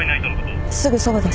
すぐそばです。